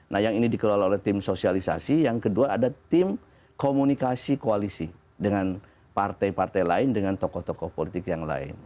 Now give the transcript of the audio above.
nah yang ini dikelola oleh tim sosialisasi yang kedua ada tim komunikasi koalisi dengan partai partai lain dengan tokoh tokoh politik yang lain